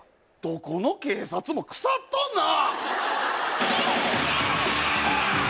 どこの警察も腐っとんな！